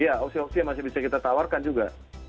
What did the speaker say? iya opsi opsi yang masih bisa kita tawarkan juga